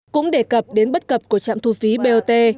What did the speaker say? cũng đề cập đến bất cập của trạm thu phí bot